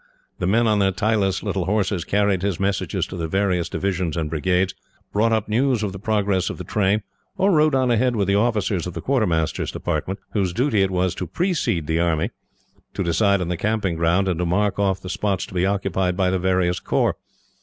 The men, on their tireless little horses, carried his messages to the various divisions and brigades, brought up news of the progress of the train, or rode on ahead with the officers of the quartermaster's department, whose duty it was to precede the army, to decide on the camping ground, and to mark off the spots to be occupied by the various corps.